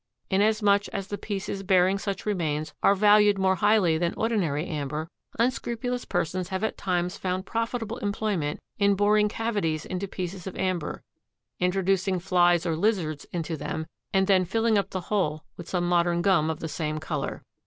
Inasmuch as the pieces bearing such remains are valued more highly than ordinary amber, unscrupulous persons have at times found profitable employment in boring cavities into pieces of amber, introducing flies or lizards into them and then filling up the hole with some modern gum of the same color.